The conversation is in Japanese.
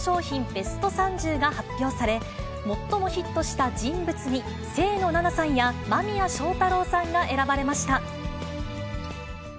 ベスト３０が発表され、最もヒットした人物に、清野菜名さんや間宮祥太朗さんが選ばれました。